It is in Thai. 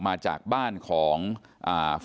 แล้วก็ช่วยกันนำนายธีรวรรษส่งโรงพยาบาล